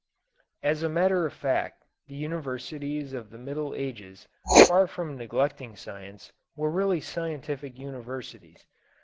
As a matter of fact the universities of the Middle Ages, far from neglecting science, were really scientific universities.